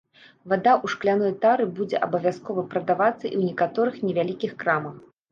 Вада ў шкляной тары будзе абавязкова прадавацца і ў некаторых невялікіх крамах.